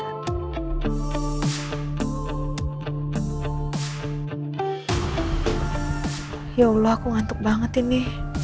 ya allah aku ngantuk banget ini